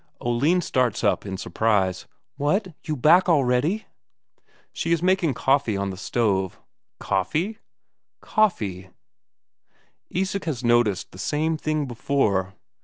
Oline starts up in surprise: "What, you back already!" She is making coffee on the stove. Coffee? Coffee! Isak has noticed the same thing before.